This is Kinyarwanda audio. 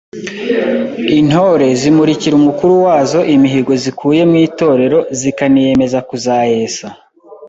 Intore zimurikira umukuru wazo imihigo zikuye mu Itorero zikaniyemeza kuzayesa,.